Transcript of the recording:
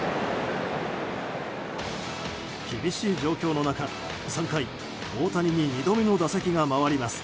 厳しい状況の中、３回大谷に２度目の打席が回ります。